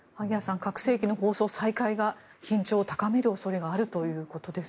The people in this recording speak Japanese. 拡声器の放送再開が緊張を高める恐れがあるということです。